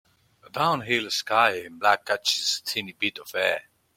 A downhill skier in black catches a tiny bit of air